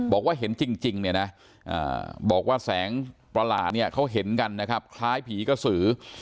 บอกว่าเห็นจริงบอกว่าแสงประหลาดเขาเห็นกันนะครับคล้ายผีกระสือ